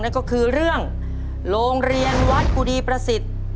นั่นก็คือเรื่องโรงเรียนวัดกุดีประสิทธิ์